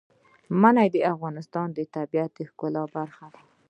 منی د افغانستان د طبیعت د ښکلا برخه ده.